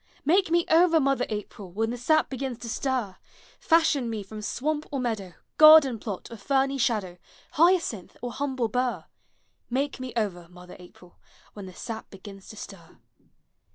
Make me over, mother April, When the sap begins to stir! 250 POEMS OF HOME. Fashion me from swamp or meadow, Garden plot or ferny shadow, Hyacinth or humble burr! Make me over, mother April, When the sap begins to stir!